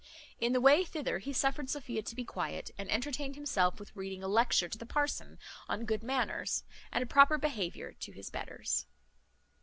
In the way thither he suffered Sophia to be quiet, and entertained himself with reading a lecture to the parson on good manners, and a proper behaviour to his betters.